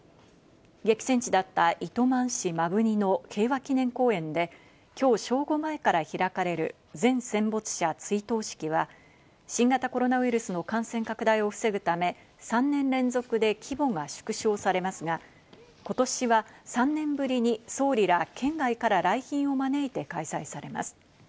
激戦地だった糸満市摩文仁の平和祈念公園で今日正午前から開かれる全戦没者追悼式は新型コロナウイルスの感染拡大を防ぐため、３年連続で規模が縮小されますが、今年は３年ぶりに総理ら県外から来賓を招いて開催されます。